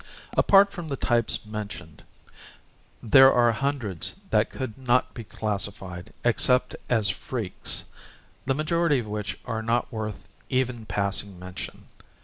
Apart from the types mentioned, there are hundreds that could not be classified except as freaks, the majority of which are not worth even passing mention.